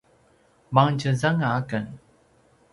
mangtjezanga aken